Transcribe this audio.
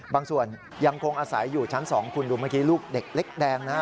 ส่วนยังคงอาศัยอยู่ชั้น๒คุณดูเมื่อกี้ลูกเด็กเล็กแดงนะ